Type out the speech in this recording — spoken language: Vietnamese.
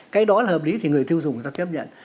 cái đó là hợp lý thì người tiêu dùng người ta chấp nhận